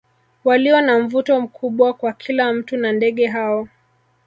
Walio na mvuto mkubwa kwa kila mtu na ndege hao